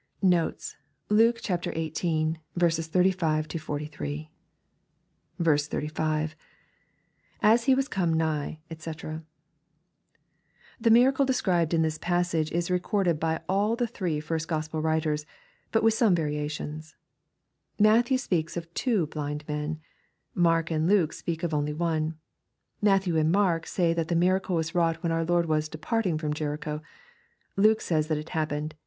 KoTES. Luke XVni. 35—43. 35. — [A.8 He was come nigh, dbc] The miracle described in thia passage is recorded by all the three first G ospel writers, but with some variations. Matthew speaks of two bUnd men. Mark and Luke speak of only one. Matthew and Mark say that the miracle was wrought when our Lord was " departing" from Jericho. Luke flays th^t it happened.